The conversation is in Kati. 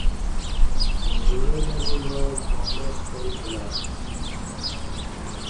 زرہ نہ بِبا بانہ سکال بُلہ ای